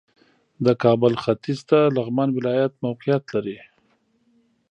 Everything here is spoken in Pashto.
د کابل ختیځ ته لغمان ولایت موقعیت لري